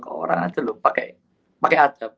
ke orang aja loh pakai adab